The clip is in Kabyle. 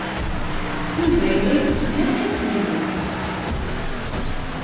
Yuba yella yetteqqen irkasen-nnes.